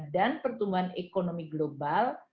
dan pertumbuhan ekonomi global